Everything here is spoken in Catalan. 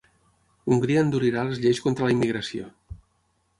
Hongria endurirà les lleis contra la immigració.